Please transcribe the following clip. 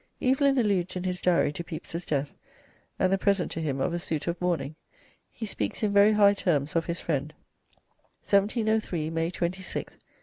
Evelyn alludes in his Diary to Pepys's death and the present to him of a suit of mourning. He speaks in very high terms of his friend: "1703, May 26th.